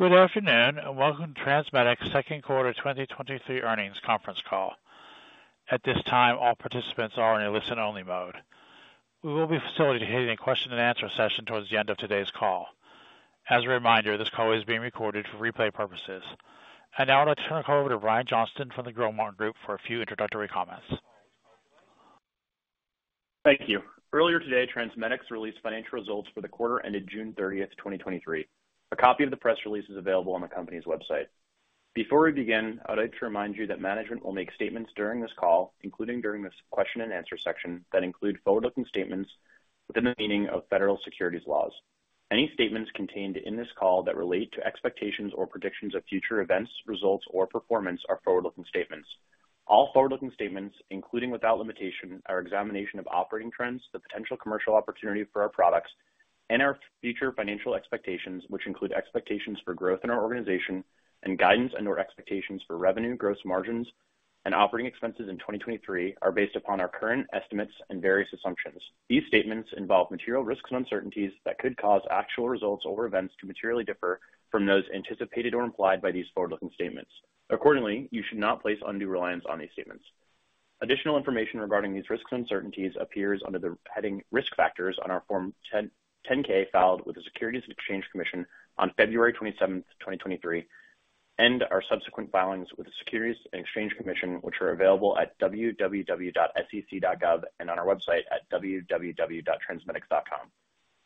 Good afternoon, and welcome to TransMedics' Second Quarter 2023 Earnings Conference Call. At this time, all participants are in a listen-only mode. We will be facilitating a question-and-answer session towards the end of today's call. As a reminder, this call is being recorded for replay purposes. I'd now like to turn the call over to Brian Johnston from the Gilmartin Group for a few introductory comments. Thank you. Earlier today, TransMedics released financial results for the quarter ended June 30th, 2023. A copy of the press release is available on the company's website. Before we begin, I'd like to remind you that management will make statements during this call, including during this question-and-answer section, that include forward-looking statements within the meaning of federal securities laws. Any statements contained in this call that relate to expectations or predictions of future events, results, or performance are forward-looking statements. All forward-looking statements, including without limitation, our examination of operating trends, the potential commercial opportunity for our products, and our future financial expectations, which include expectations for growth in our organization and guidance on our expectations for revenue, gross margins, and operating expenses in 2023, are based upon our current estimates and various assumptions. These statements involve material risks and uncertainties that could cause actual results or events to materially differ from those anticipated or implied by these forward-looking statements. Accordingly, you should not place undue reliance on these statements. Additional information regarding these risks and uncertainties appears under the heading Risk Factors on our Form 10-K, filed with the Securities and Exchange Commission on February 27th, 2023, and our subsequent filings with the Securities and Exchange Commission, which are available at www.sec.gov and on our website at www.transmedics.com.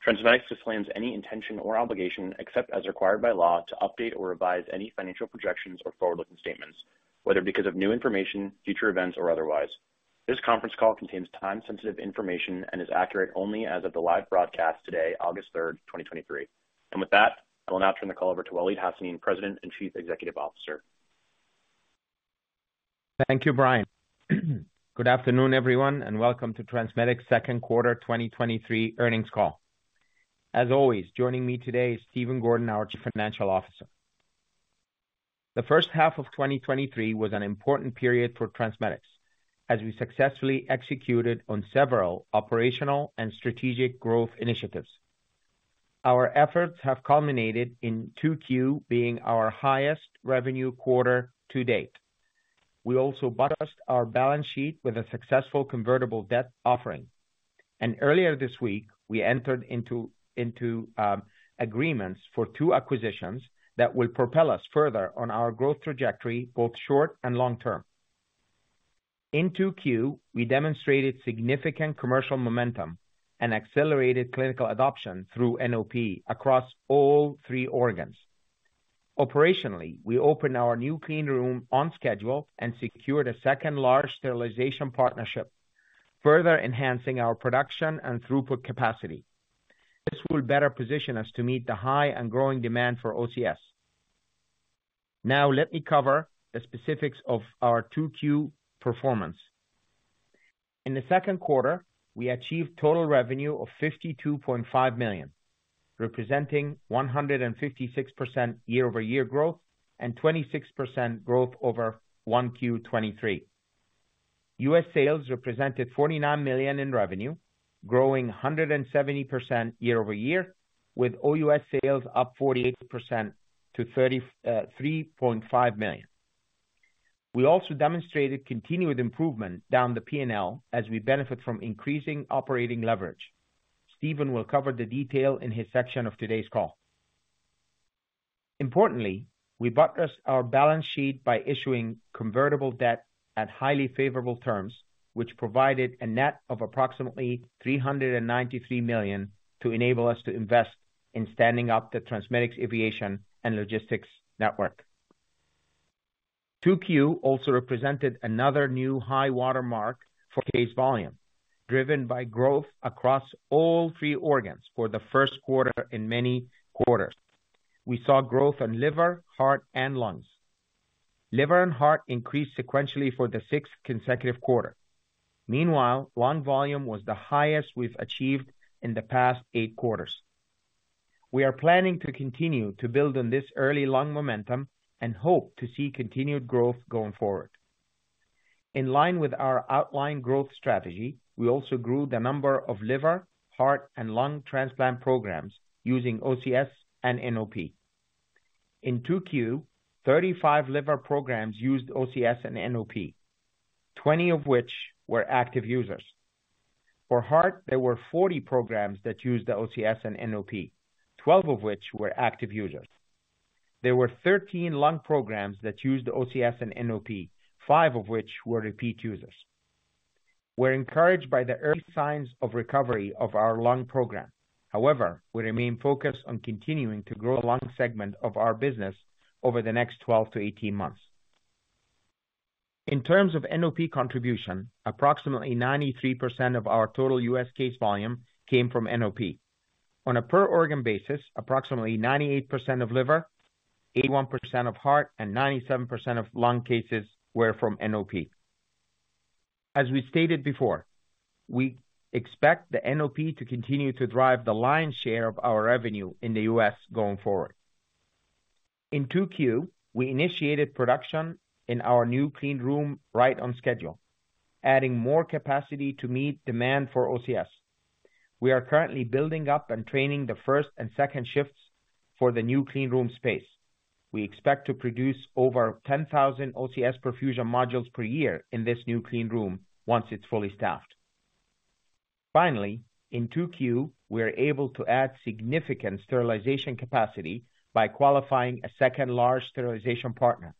TransMedics disclaims any intention or obligation, except as required by law, to update or revise any financial projections or forward-looking statements, whether because of new information, future events, or otherwise. This conference call contains time-sensitive information and is accurate only as of the live broadcast today, August 3, 2023. With that, I will now turn the call over to Waleed Hassanein, President and Chief Executive Officer. Thank you, Brian. Good afternoon, everyone, and welcome to TransMedics' second quarter 2023 earnings call. As always, joining me today is Stephen Gordon, our Chief Financial Officer. The first half of 2023 was an important period for TransMedics, as we successfully executed on several operational and strategic growth initiatives. Our efforts have culminated in 2Q being our highest revenue quarter to date. We also buttressed our balance sheet with a successful convertible debt offering, and earlier this week, we entered into agreements for two acquisitions that will propel us further on our growth trajectory, both short and long term. In 2Q, we demonstrated significant commercial momentum and accelerated clinical adoption through NOP across all three organs. Operationally, we opened our new clean room on schedule and secured a second large sterilization partnership, further enhancing our production and throughput capacity. This will better position us to meet the high and growing demand for OCS. Let me cover the specifics of our 2Q performance. In the second quarter, we achieved total revenue of $52.5 million, representing 156% year-over-year growth and 26% growth over 1Q 2023. U.S. sales represented $49 million in revenue, growing 170% year-over-year, with OUS sales up 48% to $3.5 million. We also demonstrated continued improvement down the P&L as we benefit from increasing operating leverage. Stephen will cover the detail in his section of today's call. Importantly, we buttressed our balance sheet by issuing convertible debt at highly favorable terms, which provided a net of approximately $393 million to enable us to invest in standing up the TransMedics Aviation and Logistics network. 2Q also represented another new high-water mark for case volume, driven by growth across all three organs for the first quarter in many quarters. We saw growth in Liver, Heart, and Lungs. Liver and Heart increased sequentially for the sixth consecutive quarter. Meanwhile, Lung volume was the highest we've achieved in the past eight quarters. We are planning to continue to build on this early Lung momentum and hope to see continued growth going forward. In line with our outlined growth strategy, we also grew the number of Liver, Heart, and Lung transplant programs using OCS and NOP. In 2Q, 35 Liver programs used OCS and NOP, 20 of which were active users. For Heart, there were 40 programs that used the OCS and NOP, 12 of which were active users. There were 13 Lung programs that used the OCS and NOP, five of which were repeat users. We're encouraged by the early signs of recovery of our Lung program. However, we remain focused on continuing to grow Lung segment of our business over the next 12-18 months. In terms of NOP contribution, approximately 93% of our total U.S. case volume came from NOP. On a per organ basis, approximately 98% of Liver, 81% of Heart, and 97% of Lung cases were from NOP. As we stated before, we expect the NOP to continue to drive the lion's share of our revenue in the U.S. going forward. In 2Q, we initiated production in our new clean room right on schedule, adding more capacity to meet demand for OCS. We are currently building up and training the first and second shifts for the new clean room space. We expect to produce over 10,000 OCS perfusion modules per year in this new clean room once it's fully staffed. In 2Q, we are able to add significant sterilization capacity by qualifying a second large sterilization partner.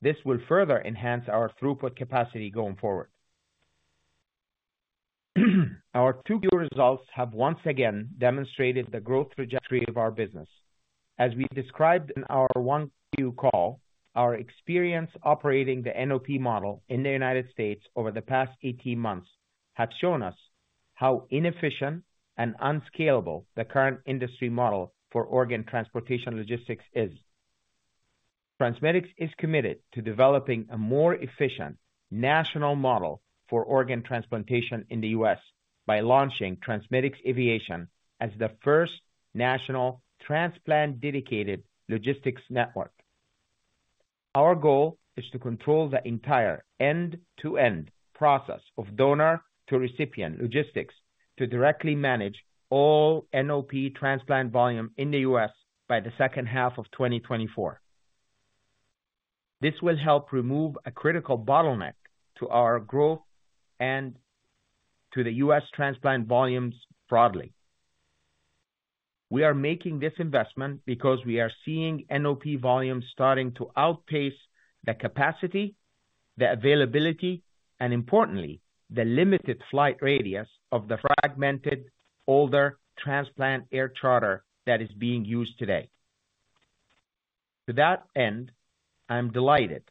This will further enhance our throughput capacity going forward. Our 2Q results have once again demonstrated the growth trajectory of our business. As we described in our 1Q call, our experience operating the NOP model in the United States over the past 18 months, have shown us how inefficient and unscalable the current industry model for organ transportation logistics is. TransMedics is committed to developing a more efficient national model for organ transplantation in the U.S., by launching TransMedics Aviation as the first national transplant-dedicated logistics network. Our goal is to control the entire end-to-end process of donor to recipient logistics, to directly manage all NOP transplant volume in the U.S. by the second half of 2024. This will help remove a critical bottleneck to our growth and to the U.S. transplant volumes broadly. We are making this investment because we are seeing NOP volumes starting to outpace the capacity, the availability, and importantly, the limited flight radius of the fragmented, older transplant air charter that is being used today. To that end, I'm delighted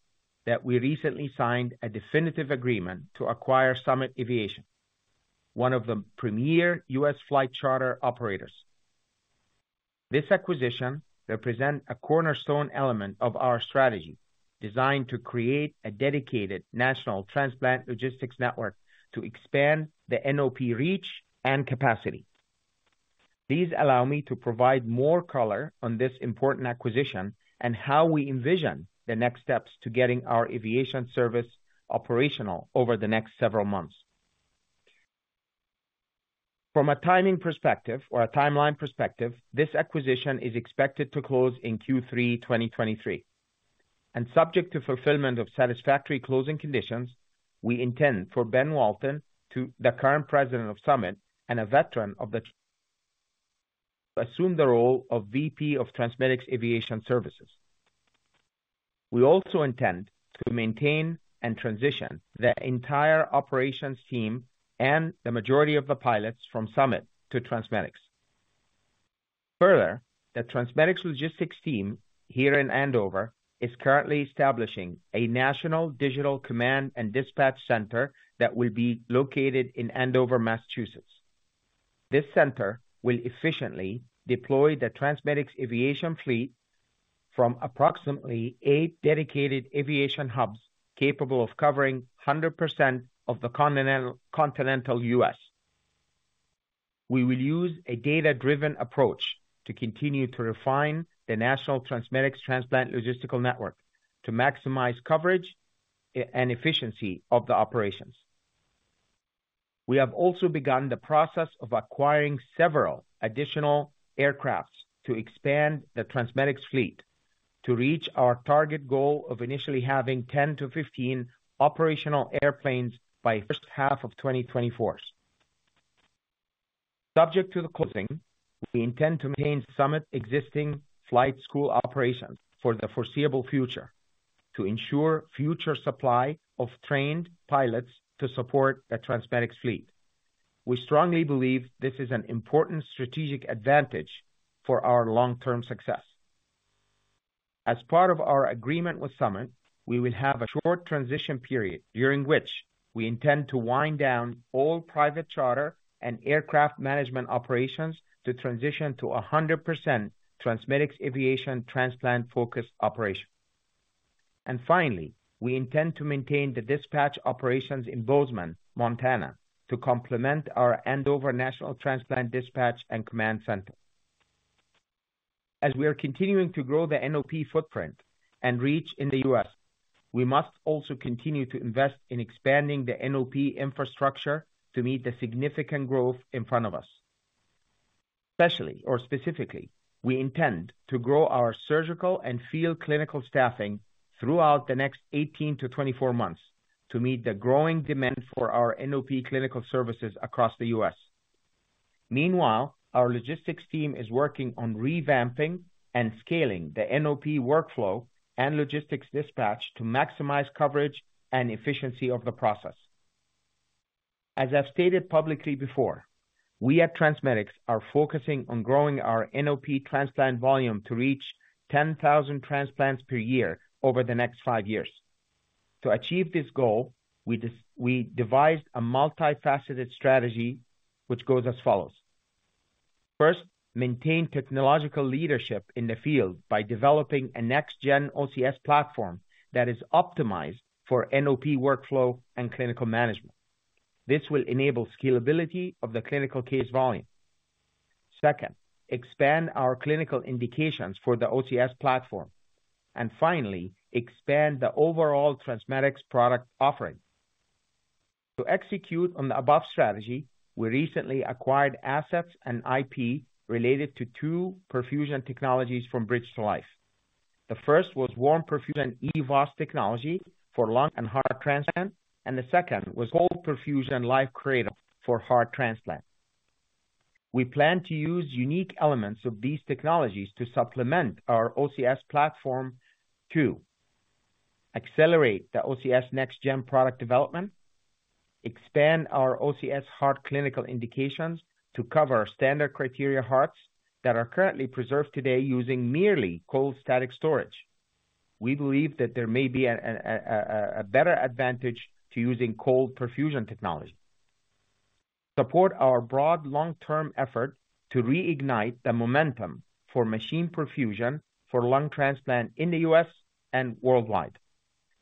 that we recently signed a definitive agreement to acquire Summit Aviation, one of the premier U.S. flight charter operators. This acquisition represent a cornerstone element of our strategy, designed to create a dedicated national transplant logistics network to expand the NOP reach and capacity. Please allow me to provide more color on this important acquisition, and how we envision the next steps to getting our Aviation service operational over the next several months. From a timing perspective or a timeline perspective, this acquisition is expected to close in Q3, 2023. Subject to fulfillment of satisfactory closing conditions, we intend for Ben Walton, the current president of Summit and a veteran of the, assume the role of VP of TransMedics Aviation services. We also intend to maintain and transition the entire operations team and the majority of the pilots from Summit to TransMedics. The TransMedics Logistics team here in Andover, is currently establishing a national digital command and dispatch center that will be located in Andover, Massachusetts. This center will efficiently deploy the TransMedics Aviation fleet from approximately eight dedicated aviation hubs, capable of covering 100% of the continental, continental U.S. We will use a data-driven approach to continue to refine the national TransMedics transplant logistical network, to maximize coverage and efficiency of the operations. We have also begun the process of acquiring several additional aircraft to expand the TransMedics fleet, to reach our target goal of initially having 10-15 operational airplanes by first half of 2024. Subject to the closing, we intend to maintain Summit's existing flight school operations for the foreseeable future, to ensure future supply of trained pilots to support the TransMedics fleet. We strongly believe this is an important strategic advantage for our long-term success. As part of our agreement with Summit, we will have a short transition period, during which we intend to wind down all private charter and aircraft management operations to transition to a 100% TransMedics Aviation transplant-focused operation. Finally, we intend to maintain the dispatch operations in Bozeman, Montana, to complement our Andover National Transplant Dispatch and Command Center. As we are continuing to grow the NOP footprint and reach in the U.S., we must also continue to invest in expanding the NOP infrastructure to meet the significant growth in front of us. Especially or specifically, we intend to grow our surgical and field clinical staffing throughout the next 18-24 months to meet the growing demand for our NOP clinical services across the U.S. Meanwhile, our Logistics team is working on revamping and scaling the NOP workflow and Logistics dispatch to maximize coverage and efficiency of the process. As I've stated publicly before, we at TransMedics are focusing on growing our NOP transplant volume to reach 10,000 transplants per year over the next five years. To achieve this goal, we devised a multifaceted strategy which goes as follows: First, maintain technological leadership in the field by developing a next-gen OCS platform that is optimized for NOP workflow and clinical management. This will enable scalability of the clinical case volume. Second, expand our clinical indications for the OCS platform. Finally, expand the overall TransMedics product offering. To execute on the above strategy, we recently acquired assets and IP related to two perfusion technologies from Bridge to Life. The first was warm perfusion EVOSS technology for lung and heart transplant, and the second was cold perfusion LifeCradle for heart transplant. We plan to use unique elements of these technologies to supplement our OCS platform to accelerate the OCS next gen product development, expand our OCS Heart clinical indications to cover standard criteria Hearts that are currently preserved today using merely cold static storage. We believe that there may be a better advantage to using cold perfusion technology. Support our broad long-term effort to reignite the momentum for machine perfusion for lung transplant in the U.S. and worldwide.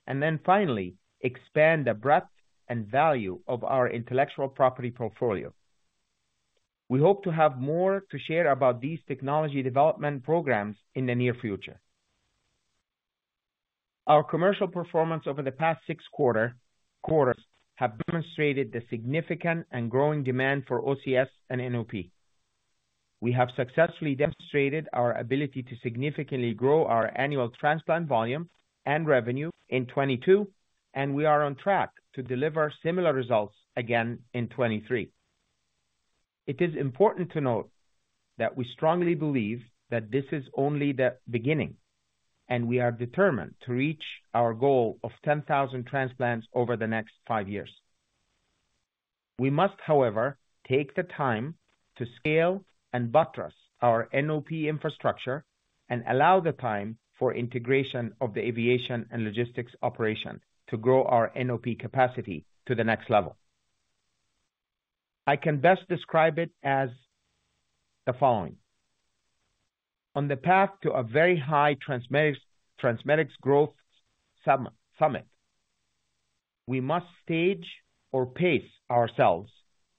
Then finally, expand the breadth and value of our intellectual property portfolio. We hope to have more to share about these technology development programs in the near future. Our commercial performance over the past six quarters have demonstrated the significant and growing demand for OCS and NOP. We have successfully demonstrated our ability to significantly grow our annual transplant volume and revenue in 2022, and we are on track to deliver similar results again in 2023. It is important to note that we strongly believe that this is only the beginning. We are determined to reach our goal of 10,000 transplants over the next five years. We must, however, take the time to scale and buttress our NOP infrastructure and allow the time for integration of the Aviation and Logistics operation to grow our NOP capacity to the next level. I can best describe it as the following: on the path to a very high TransMedics growth summit, we must stage or pace ourselves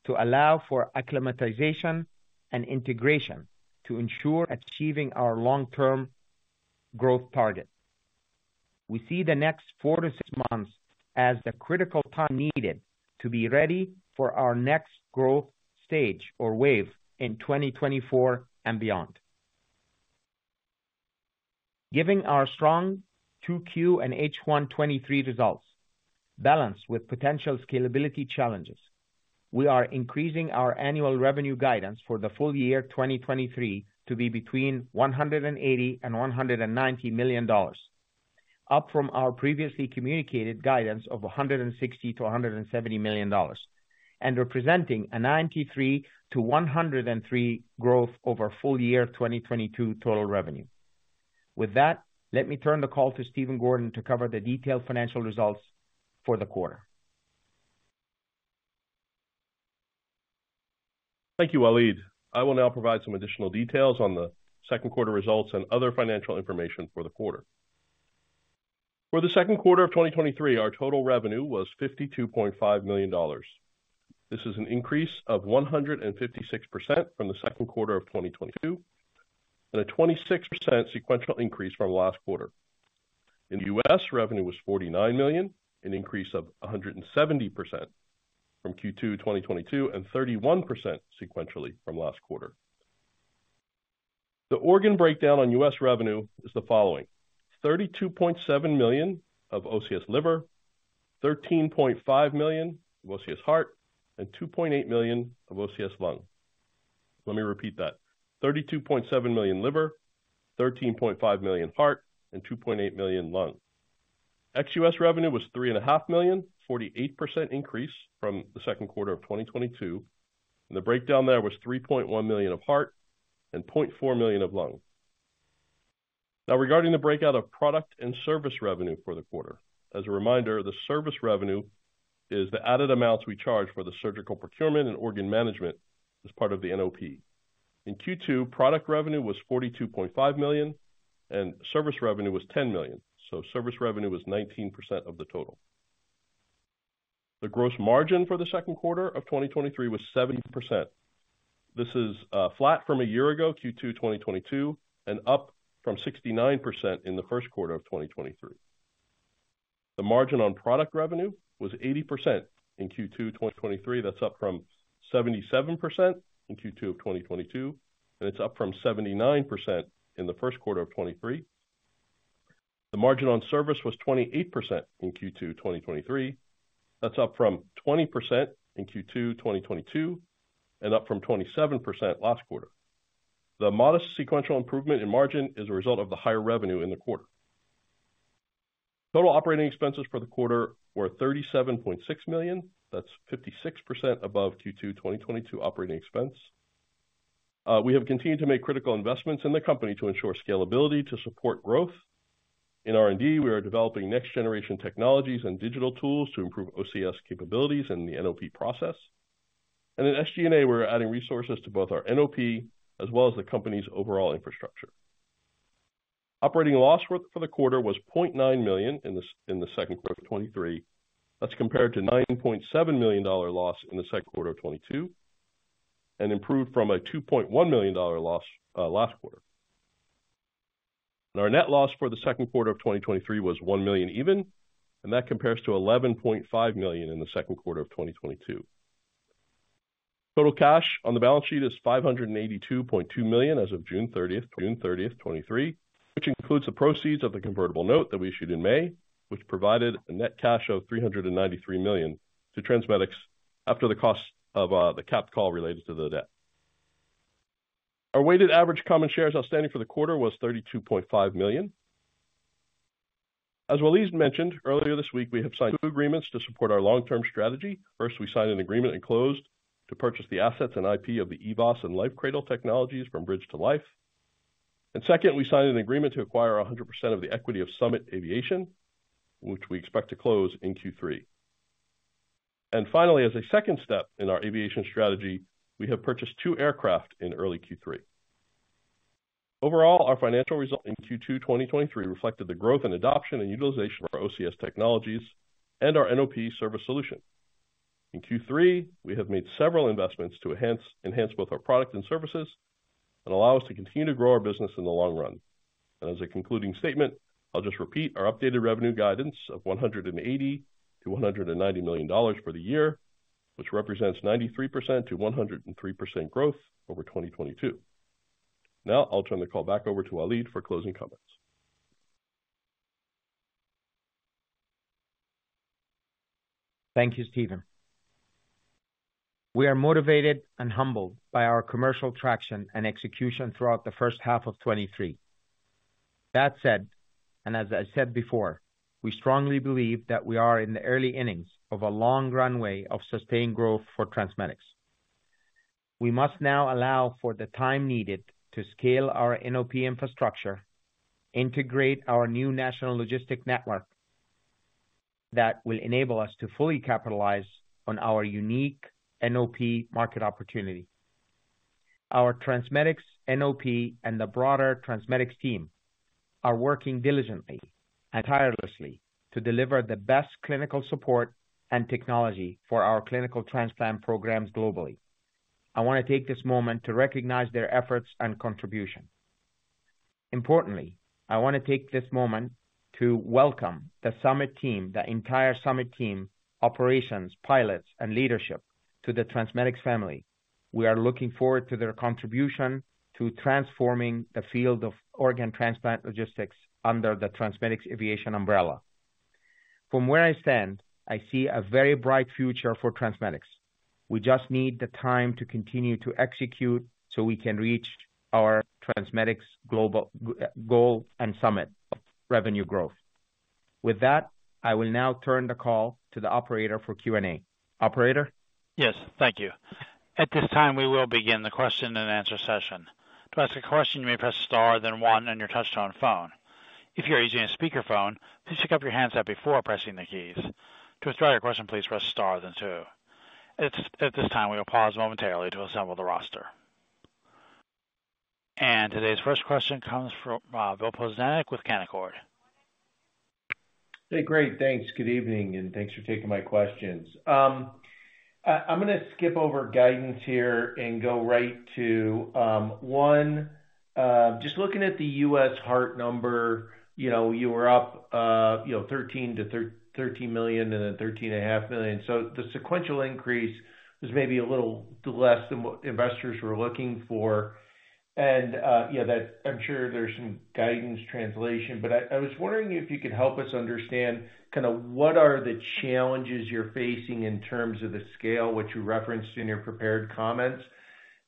to allow for acclimatization and integration to ensure achieving our long-term growth targets. We see the next four to six months as the critical time needed to be ready for our next growth stage or wave in 2024 and beyond. Giving our strong 2Q and H1 2023 results balanced with potential scalability challenges, we are increasing our annual revenue guidance for the full year 2023 to be between $180 million and $190 million, up from our previously communicated guidance of $160 million-$170 million, and representing a 93%-103% growth over full year 2022 total revenue. With that, let me turn the call to Stephen Gordon to cover the detailed financial results for the quarter. Thank you, Waleed. I will now provide some additional details on the second quarter results and other financial information for the quarter. For the second quarter of 2023, our total revenue was $52.5 million. This is an increase of 156% from the second quarter of 2022, and a 26% sequential increase from last quarter. In the U.S., revenue was $49 million, an increase of 170% from Q2 2022 and 31% sequentially from last quarter. The organ breakdown on U.S. revenue is the following: $32.7 million of OCS Liver, $13.5 million of OCS Heart, and $2.8 million of OCS Lung. Let me repeat that. $32.7 million Liver, $13.5 million Heart, and $2.8 million Lung. OUS revenue was $3.5 million, a 48% increase from Q2 2022. The breakdown there was $3.1 million of Heart and $0.4 million of Lung. Regarding the breakout of product and service revenue for the quarter, as a reminder, the service revenue is the added amounts we charge for the surgical procurement and organ management as part of the NOP. In Q2, product revenue was $42.5 million and service revenue was $10 million. Service revenue was 19% of the total. The gross margin for Q2 2023 was 70%. This is flat from a year ago, Q2 2022, up from 69% in Q1 2023. The margin on product revenue was 80% in Q2 2023. That's up from 77% in Q2 of 2022, it's up from 79% in the first quarter of 2023. The margin on service was 28% in Q2 2023. That's up from 20% in Q2 2022 and up from 27% last quarter. The modest sequential improvement in margin is a result of the higher revenue in the quarter. Total operating expenses for the quarter were $37.6 million. That's 56% above Q2 2022 operating expense. We have continued to make critical investments in the company to ensure scalability to support growth. In R&D, we are developing next generation technologies and digital tools to improve OCS capabilities in the NOP process. In SG&A, we're adding resources to both our NOP as well as the company's overall infrastructure. Operating loss for, for the quarter was $0.9 million in the second quarter of 2023. That's compared to $9.7 million loss in the second quarter of 2022, and improved from a $2.1 million loss last quarter. Our net loss for the second quarter of 2023 was $1 million even, and that compares to $11.5 million in the second quarter of 2022. Total cash on the balance sheet is $582.2 million as of June 30th, June 30th, 2023, which includes the proceeds of the convertible note that we issued in May, which provided a net cash of $393 million to TransMedics after the cost of the capped call related to the debt. Our weighted average common shares outstanding for the quarter was 32.5 million. As Waleed mentioned earlier this week, we have signed two agreements to support our long-term strategy. First, we signed an agreement and closed to purchase the assets and IP of the EVOSS and LifeCradle technologies from Bridge to Life. Second, we signed an agreement to acquire 100% of the equity of Summit Aviation, which we expect to close in Q3. Finally, as a second step in our aviation strategy, we have purchased two aircraft in early Q3. Overall, our financial results in Q2 2023 reflected the growth and adoption and utilization of our OCS technologies and our NOP service solution. In Q3, we have made several investments to enhance, enhance both our product and services and allow us to continue to grow our business in the long run. As a concluding statement, I'll just repeat our updated revenue guidance of $180 million-$190 million for the year, which represents 93%-103% growth over 2022. Now I'll turn the call back over to Waleed for closing comments. Thank you, Stephen. We are motivated and humbled by our commercial traction and execution throughout the first half of 2023. That said, and as I said before, we strongly believe that we are in the early innings of a long runway of sustained growth for TransMedics. We must now allow for the time needed to scale our NOP infrastructure, integrate our new national logistic network that will enable us to fully capitalize on our unique NOP market opportunity. Our TransMedics NOP and the broader TransMedics team are working diligently and tirelessly to deliver the best clinical support and technology for our clinical transplant programs globally. I want to take this moment to recognize their efforts and contribution. Importantly, I want to take this moment to welcome the Summit team, the entire Summit team, operations, pilots, and leadership to the TransMedics family. We are looking forward to their contribution to transforming the field of organ transplant logistics under the TransMedics Aviation umbrella. From where I stand, I see a very bright future for TransMedics. We just need the time to continue to execute so we can reach our TransMedics global goal and summit of revenue growth. With that, I will now turn the call to the operator for Q&A. Operator? Yes. Thank you. At this time, we will begin the question-and-answer session. To ask a question, you may press star, then one on your touchtone phone. If you're using a speakerphone, please pick up your handset before pressing the keys. To withdraw your question, please press star then two. At this time, we will pause momentarily to assemble the roster. Today's first question comes from Bill Plovanic with Canaccord. Hey, great. Thanks. Good evening, and thanks for taking my questions. I'm gonna skip over guidance here and go right to one, just looking at the U.S. Heart number, you know, you were up, you know, $13 million and then $13.5 million. The sequential increase was maybe a little less than what investors were looking for. Yeah, that I'm sure there's some guidance translation, but I, I was wondering if you could help us understand kind of what are the challenges you're facing in terms of the scale, which you referenced in your prepared comments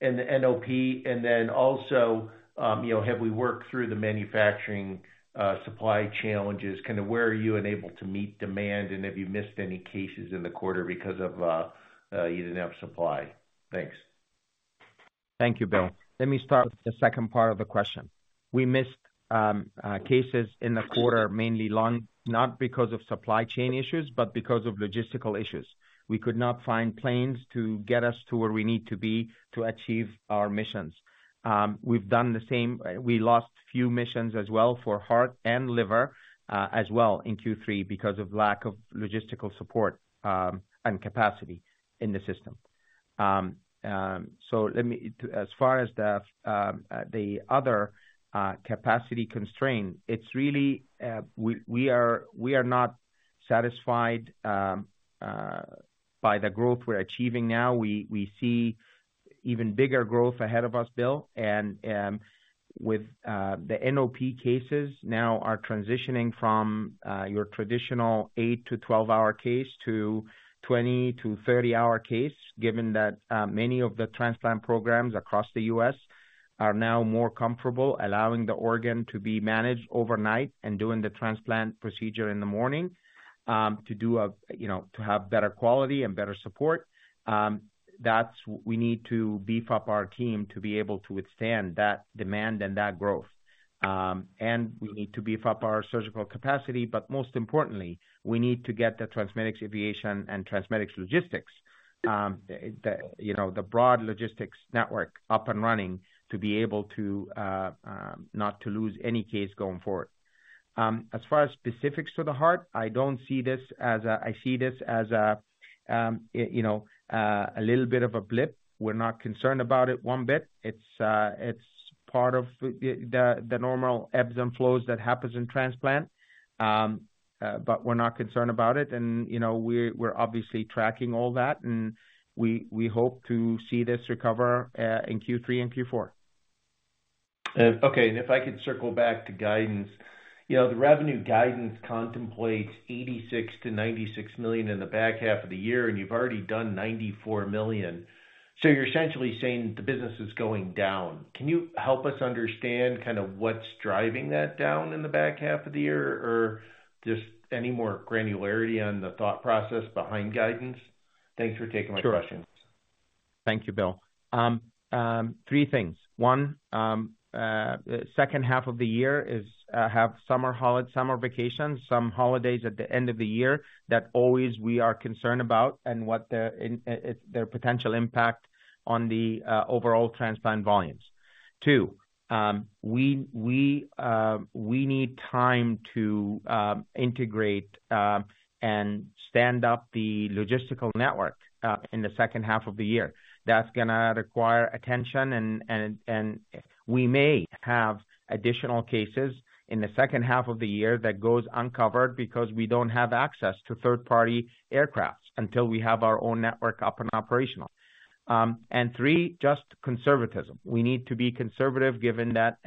and the NOP, and then also, you know, have we worked through the manufacturing supply challenges? Kinda where are you unable to meet demand, and have you missed any cases in the quarter because of, you didn't have supply? Thanks. Thank you, Bill. Let me start with the second part of the question. We missed cases in the quarter, mainly Lung, not because of supply chain issues, but because of logistical issues. We could not find planes to get us to where we need to be to achieve our missions. We've done the same. We lost few missions as well for Heart and Liver, as well in Q3 because of lack of logistical support and capacity in the system. Let me, as far as the other capacity constraint, it's really, we, we are, we are not satisfied by the growth we're achieving now. We, we see even bigger growth ahead of us, Bill. With the NOP cases now are transitioning from your traditional eight to 12-hour case to 20-30-hour case, given that many of the transplant programs across the U.S. are now more comfortable allowing the organ to be managed overnight and doing the transplant procedure in the morning, to do a, you know, to have better quality and better support. That's. We need to beef up our team to be able to withstand that demand and that growth. We need to beef up our surgical capacity, but most importantly, we need to get the TransMedics Aviation and TransMedics Logistics, the, you know, the broad logistics network up and running to be able to not to lose any case going forward. As far as specifics to the Heart, I don't see this as a, I see this as a, you know, a little bit of a blip. We're not concerned about it one bit. It's, it's part of the, the, the normal ebbs and flows that happens in transplant. We're not concerned about it and, you know, we're, we're obviously tracking all that, and we, we hope to see this recover, in Q3 and Q4. Okay, if I could circle back to guidance. You know, the revenue guidance contemplates $86 million-$96 million in the back half of the year, and you've already done $94 million. You're essentially saying the business is going down. Can you help us understand kind of what's driving that down in the back half of the year? Or just any more granularity on the thought process behind guidance? Thanks for taking my questions. Sure. Thank you, Bill. Three things. One, the second half of the year is have summer vacations, some holidays at the end of the year, that always we are concerned about and what their potential impact on the overall transplant volumes. Two, we, we need time to integrate and stand up the logistical network in the second half of the year. That's gonna require attention and, and, and we may have additional cases in the second half of the year that goes uncovered because we don't have access to third-party aircrafts until we have our own network up and operational. Three, just conservatism. We need to be conservative, given that,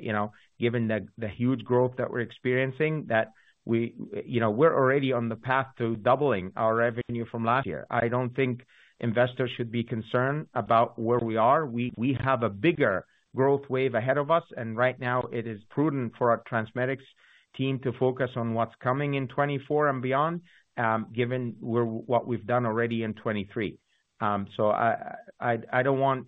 you know, given the, the huge growth that we're experiencing, that we, you know, we're already on the path to doubling our revenue from last year. I don't think investors should be concerned about where we are. We, we have a bigger growth wave ahead of us, and right now it is prudent for our TransMedics team to focus on what's coming in 2024 and beyond, given where, what we've done already in 2023. I, I, I don't want,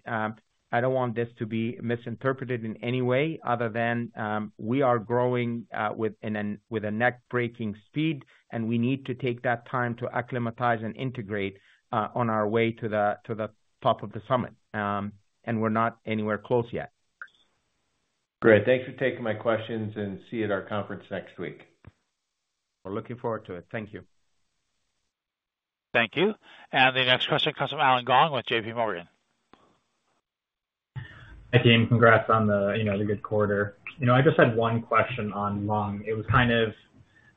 I don't want this to be misinterpreted in any way other than, we are growing, with a neck-breaking speed, and we need to take that time to acclimatize and integrate, on our way to the, to the top of the summit. We're not anywhere close yet. Great. Thanks for taking my questions, and see you at our conference next week. We're looking forward to it. Thank you. Thank you. The next question comes from Allen Gong with JPMorgan. Hi, team. Congrats on the, you know, the good quarter. You know, I just had one question on Lung. It was kind of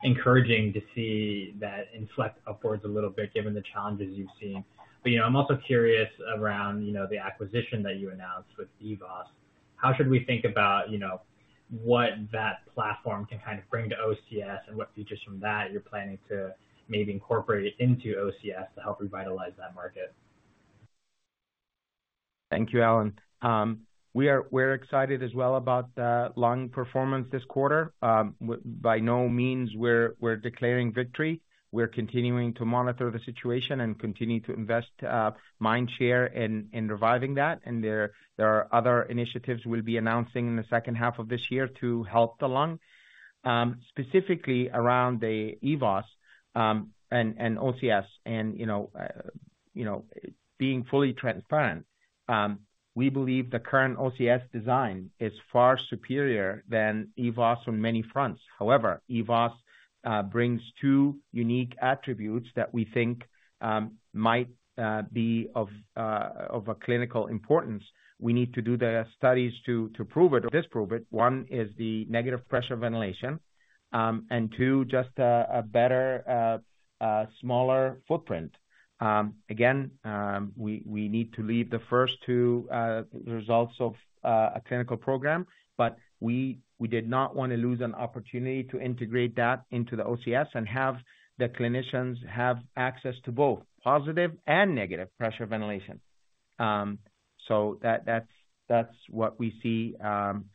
encouraging to see that inflect upwards a little bit, given the challenges you've seen. You know, I'm also curious around, you know, the acquisition that you announced with EVOSS. How should we think about, you know, what that platform can kind of bring to OCS and what features from that you're planning to maybe incorporate into OCS to help revitalize that market? Thank you, Allen. We are, we're excited as well about the Lung performance this quarter. By no means we're, we're declaring victory. We're continuing to monitor the situation and continue to invest mind share in, in reviving that. There, there are other initiatives we'll be announcing in the second half of this year to help the Lung. Specifically, around the EVOSS, and OCS and, you know, you know, being fully transparent, we believe the current OCS design is far superior than EVOSS on many fronts. However, EVOSS brings two unique attributes that we think might be of a clinical importance. We need to do the studies to, to prove it or disprove it. One is the negative pressure ventilation, and two, just a better, smaller footprint. Again, we, we need to lead the first two results of a clinical program, but we, we did not want to lose an opportunity to integrate that into the OCS and have the clinicians have access to both positive and negative pressure ventilation. That, that's, that's what we see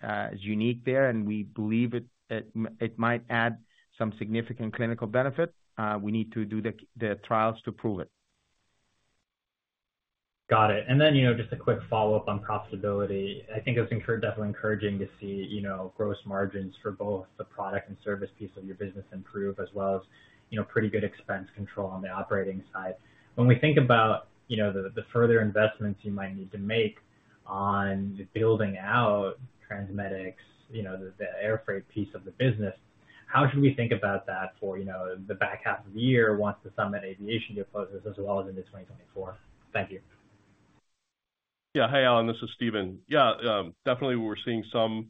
as unique there, and we believe it, it, it might add some significant clinical benefit. We need to do the, the trials to prove it. Got it. Then, you know, just a quick follow-up on profitability. I think it was definitely encouraging to see, you know, gross margins for both the product and service piece of your business improve as well as, you know, pretty good expense control on the operating side. When we think about, you know, the, the further investments you might need to make on building out TransMedics, you know, the, the airfreight piece of the business, how should we think about that for, you know, the back half of the year once the Summit Aviation closes, as well as into 2024? Thank you. Yeah. Hey, Allen, this is Stephen. Yeah, definitely, we're seeing some,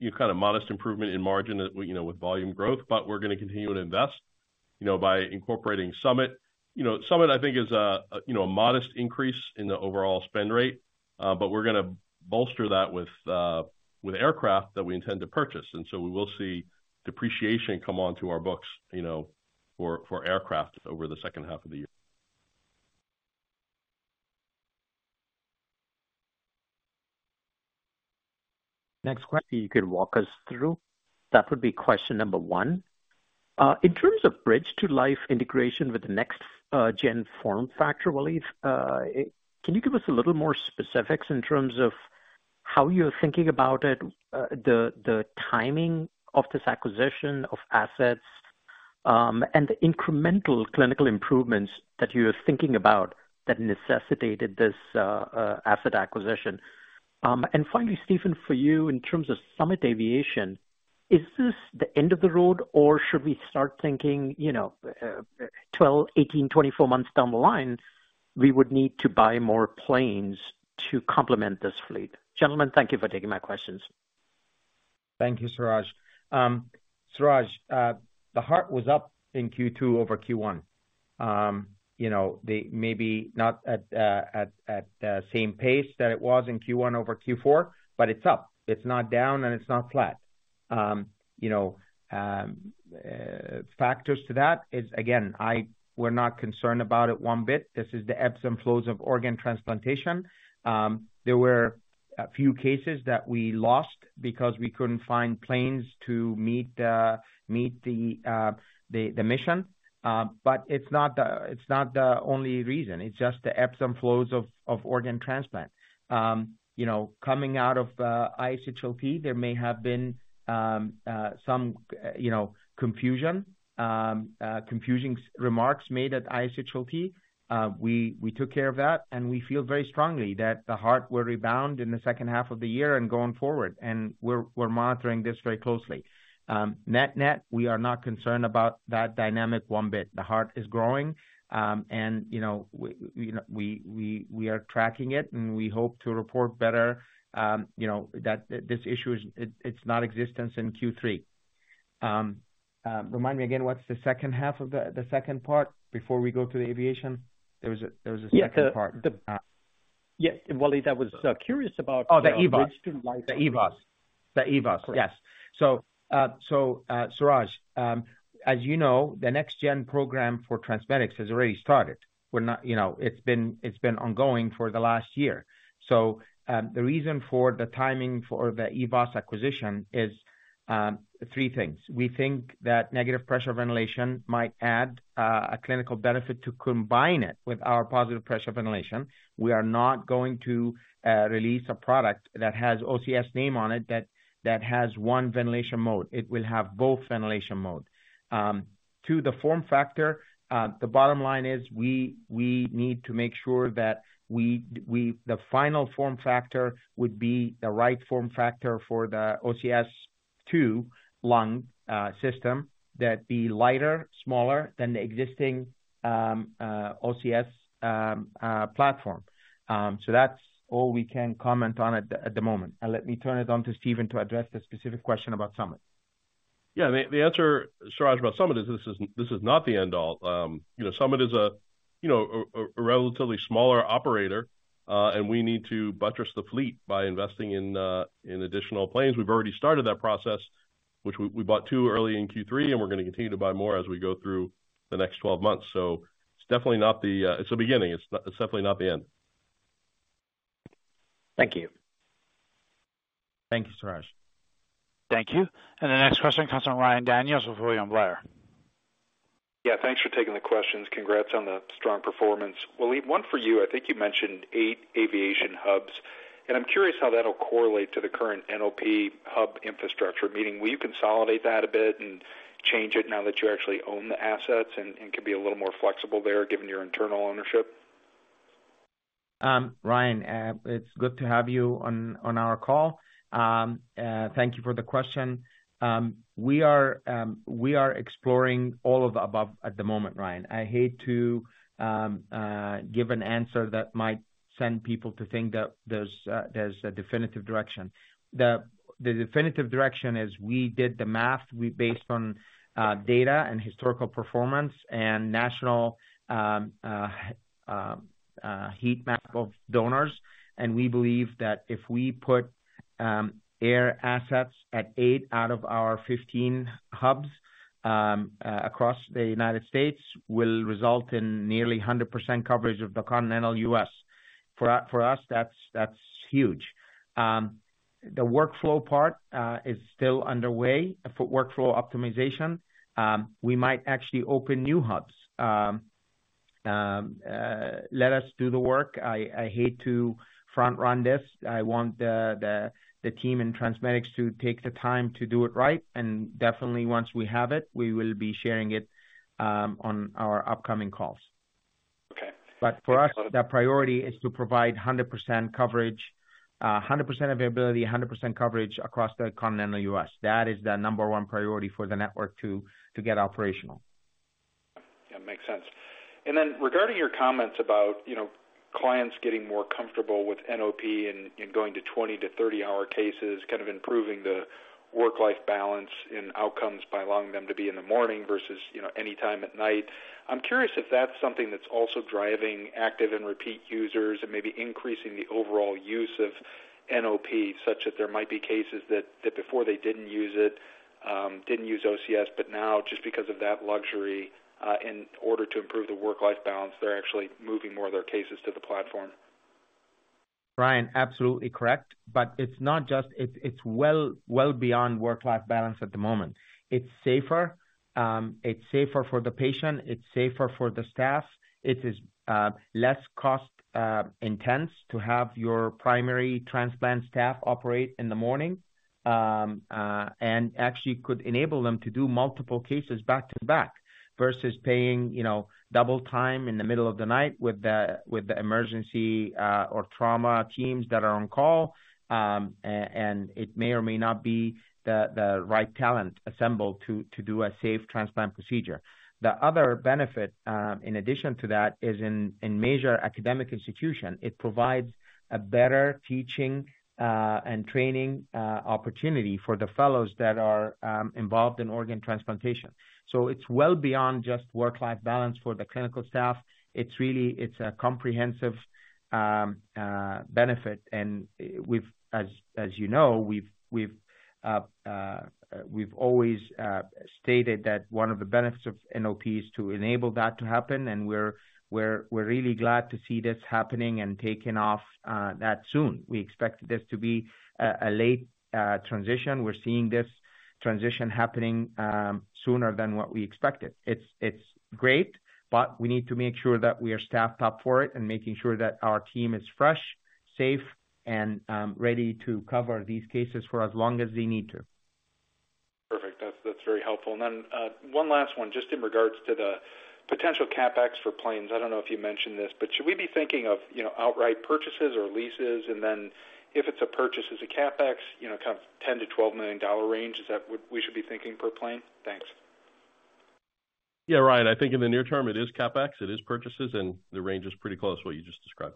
you know, kind of modest improvement in margin, you know, with volume growth, but we're gonna continue to invest, you know, by incorporating Summit. You know, Summit, I think, is a, you know, a modest increase in the overall spend rate, but we're gonna bolster that with aircraft that we intend to purchase, and so we will see depreciation come onto our books, you know, for, for aircraft over the second half of the year. Next question. You could walk us through. That would be question number one. In terms of Bridge to Life integration with the next gen form factor, Waleed, can you give us a little more specifics in terms of how you're thinking about it, the timing of this acquisition of assets, and the incremental clinical improvements that you are thinking about that necessitated this asset acquisition? Finally, Stephen, for you, in terms of Summit Aviation, is this the end of the road, or should we start thinking, you know, 12, 18, 24 months down the line, we would need to buy more planes to complement this fleet? Gentlemen, thank you for taking my questions. Thank you, Suraj. Suraj, the Heart was up in Q2 over Q1. You know, the maybe not at, at, at the same pace that it was in Q1 over Q4, but it's up. It's not down, and it's not flat. You know, factors to that is, again, I- we're not concerned about it one bit. This is the ebbs and flows of organ transplantation. There were a few cases that we lost because we couldn't find planes to meet the, meet the, the, the mission. It's not the, it's not the only reason. It's just the ebbs and flows of, of organ transplant. You know, coming out of ISHLT, there may have been some, you know, confusion, confusing remarks made at ISHLT. We, we took care of that, and we feel very strongly that the Heart will rebound in the second half of the year and going forward, and we're, we're monitoring this very closely. Net-net, we are not concerned about that dynamic one bit. The Heart is growing, and, you know, you know, we, we, we are tracking it, and we hope to report better, you know, that this issue is, it's not existence in Q3. Remind me again, what's the second half of the second part before we go to the Aviation? There was a, there was a second part. Yeah, Waleed, I was curious about- Oh, the EVOSS. The EVOSS. The EVOSS, yes. Suraj, as you know, the next gen program for TransMedics has already started. We're not, you know, it's been, it's been ongoing for the last year. The reason for the timing for the EVOSS acquisition is three things: We think that negative pressure ventilation might add a clinical benefit to combine it with our positive pressure ventilation. We are not going to release a product that has OCS name on it, that, that has one ventilation mode. It will have both ventilation mode. To the form factor, the bottom line is, we, we need to make sure that the final form factor would be the right form factor for the OCS Lung system, that be lighter, smaller than the existing OCS platform. That's all we can comment on at the, at the moment. Let me turn it on to Stephen to address the specific question about Summit. Yeah, the, the answer, Suraj, about Summit, is this is, this is not the end all. You know, Summit is a, you know, a, a relatively smaller operator, and we need to buttress the fleet by investing in additional planes. We've already started that process, which we, we bought two early in Q3, and we're gonna continue to buy more as we go through the next 12 months. It's definitely not the... it's a beginning. It's, it's definitely not the end. Thank you. Thank you, Suraj. Thank you. The next question comes from Ryan Daniels with William Blair. Yeah, thanks for taking the questions. Congrats on the strong performance. Waleed, one for you. I think you mentioned eight aviation hubs. I'm curious how that'll correlate to the current NOP hub infrastructure, meaning, will you consolidate that a bit and change it now that you actually own the assets and, and can be a little more flexible there, given your internal ownership? Ryan, it's good to have you on, on our call. Thank you for the question. We are, we are exploring all of the above at the moment, Ryan. I hate to give an answer that might send people to think that there's a, there's a definitive direction. The, the definitive direction is we did the math, we based on data and historical performance and national heat map of donors, and we believe that if we put air assets at eight out of our 15 hubs across the United States, will result in nearly 100% coverage of the continental U.S. For for us, that's, that's huge. The workflow part is still underway. For workflow optimization, we might actually open new hubs. Let us do the work. I, I hate to front run this. I want the, the, the team in TransMedics to take the time to do it right, and definitely once we have it, we will be sharing it, on our upcoming calls. Okay. For us, the priority is to provide 100% coverage, 100% availability, 100% coverage across the continental U.S. That is the number one priority for the network to get operational. Yeah, makes sense. Then regarding your comments about, you know, clients getting more comfortable with NOP and, and going to 20-30-hour cases, kind of improving the work-life balance and outcomes by allowing them to be in the morning versus, you know, anytime at night, I'm curious if that's something that's also driving active and repeat users and maybe increasing the overall use of NOP, such that there might be cases that, that before they didn't use it, didn't use OCS, but now just because of that luxury, in order to improve the work-life balance, they're actually moving more of their cases to the platform. Ryan, absolutely correct. It's not just, it's well, well beyond work-life balance at the moment. It's safer. It's safer for the patient, it's safer for the staff. It is less cost intense to have your primary transplant staff operate in the morning and actually could enable them to do multiple cases back-to-back, versus paying, you know, double time in the middle of the night with the emergency or trauma teams that are on call. It may or may not be the right talent assembled to do a safe transplant procedure. The other benefit, in addition to that, is in major academic institution, it provides a better teaching and training opportunity for the fellows that are involved in organ transplantation. It's well beyond just work-life balance for the clinical staff. It's really, it's a comprehensive benefit, and we've, as, as you know, we've, we've, we've always stated that one of the benefits of NOP is to enable that to happen, and we're, we're, we're really glad to see this happening and taking off that soon. We expected this to be a late transition. We're seeing this transition happening sooner than what we expected. It's, it's great, but we need to make sure that we are staffed up for it and making sure that our team is fresh, safe, and ready to cover these cases for as long as they need to. Perfect. That's, that's very helpful. Then, one last one, just in regards to the potential CapEx for planes. I don't know if you mentioned this, but should we be thinking of, you know, outright purchases or leases? Then if it's a purchase, is it CapEx, you know, kind of $10 million-$12 million range, is that what we should be thinking per plane? Thanks. Yeah, Ryan, I think in the near term, it is CapEx, it is purchases, and the range is pretty close to what you just described.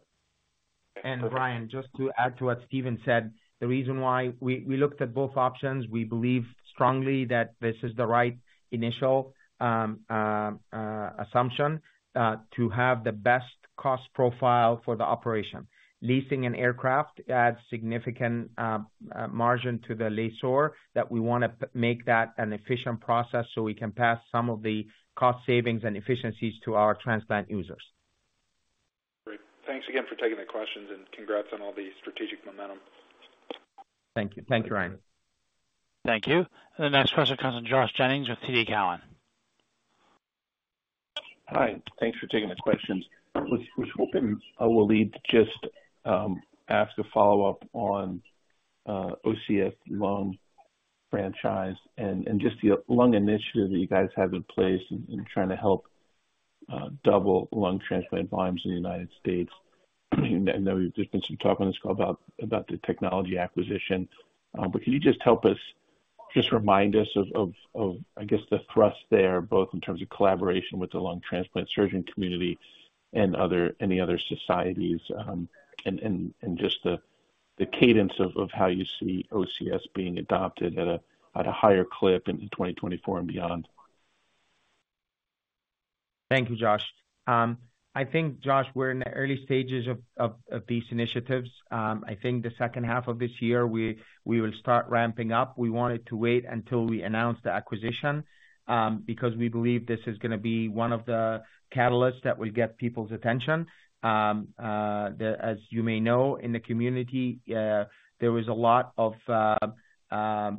Ryan, just to add to what Stephen said, the reason why we, we looked at both options, we believe strongly that this is the right initial assumption to have the best cost profile for the operation. Leasing an aircraft adds significant margin to the lessor, that we wanna make that an efficient process so we can pass some of the cost savings and efficiencies to our transplant users. Great. Thanks again for taking the questions, and congrats on all the strategic momentum. Thank you. Thank you, Ryan. Thank you. The next question comes from Josh Jennings with TD Cowen. Hi, thanks for taking the questions. Was hoping Waleed to just ask a follow-up on OCS Lung franchise and just the Lung initiative that you guys have in place in, in trying to help double lung transplant volumes in the United States. I know there's been some talk on this call about the technology acquisition, but can you just help us, just remind us of, I guess, the thrust there, both in terms of collaboration with the lung transplant surgeon community and any other societies, and just the cadence of how you see OCS being adopted at a higher clip in 2024 and beyond? Thank you, Josh. I think, Josh, we're in the early stages of, of, of these initiatives. I think the second half of this year, we, we will start ramping up. We wanted to wait until we announced the acquisition because we believe this is gonna be one of the catalysts that will get people's attention. As you may know, in the community, there was a lot of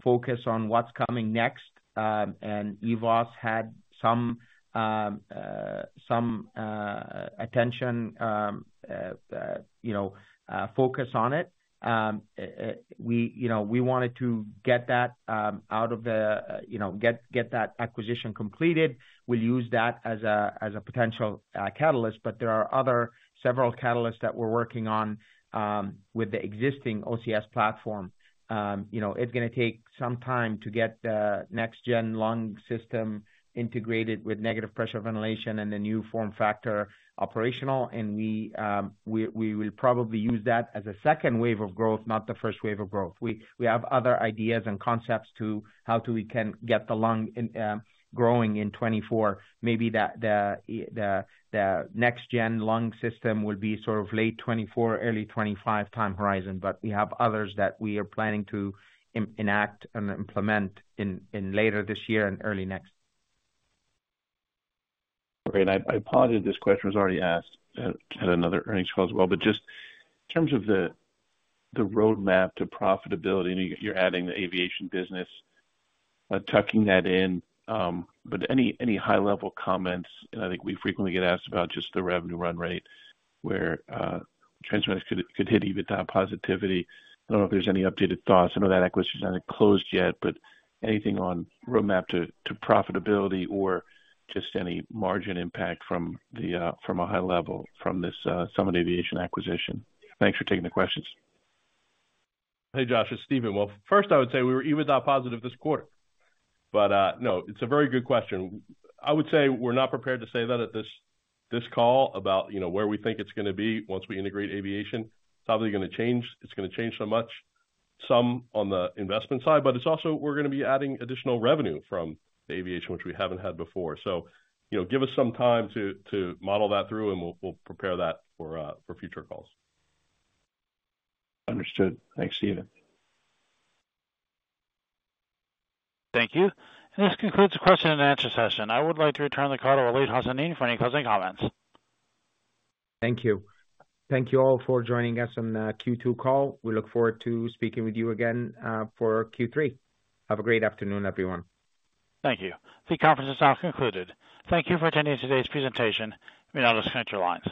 focus on what's coming next, and EVOSS had some attention, you know, focus on it. We, you know, we wanted to get that out of the, you know, get, get that acquisition completed. We'll use that as a, as a potential catalyst, but there are other several catalysts that we're working on with the existing OCS platform. You know, it's gonna take some time to get the next-gen Lung system integrated with negative pressure ventilation and the new form factor operational, and we, we will probably use that as a second wave of growth, not the first wave of growth. We, we have other ideas and concepts to how to we can get the Lung growing in 2024. Maybe the next-gen Lung system will be sort of late 2024, early 2025-time horizon, but we have others that we are planning to enact and implement in later this year and early next. Great, I, I apologize if this question was already asked at, at another earnings call as well. Just in terms of the, the roadmap to profitability, and you're adding the Aviation business, tucking that in, but any, any high-level comments, and I think we frequently get asked about just the revenue run rate, where TransMedics could, could hit EBITDA positivity. I don't know if there's any updated thoughts. I know that acquisition isn't closed yet, but anything on roadmap to, to profitability or just any margin impact from the, from a high level from this Summit Aviation acquisition. Thanks for taking the questions. Hey, Josh, it's Stephen. Well, first, I would say we were EBITDA positive this quarter. No, it's a very good question. I would say we're not prepared to say that at this, this call about, you know, where we think it's gonna be once we integrate Aviation. It's probably gonna change. It's gonna change so much, some on the investment side, but it's also we're gonna be adding additional revenue from the Aviation, which we haven't had before. You know, give us some time to, to model that through, and we'll, we'll prepare that for future calls. Understood. Thanks, Stephen. Thank you. This concludes the question-and-answer session. I would like to return the call to Waleed Hassanein for any closing comments. Thank you. Thank you all for joining us on the Q2 call. We look forward to speaking with you again for Q3. Have a great afternoon, everyone. Thank you. The conference is now concluded. Thank you for attending today's presentation of Medtronic Central Lines.